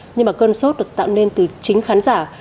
nhưng mà cơn sốt được tạo nên từ chính khán giả